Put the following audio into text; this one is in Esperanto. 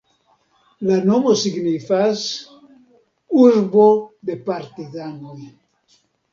La nomo signifas "urbo de partizanoj".